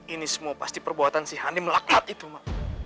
ini semua pasti perbuatan si hanim lakmat itu ma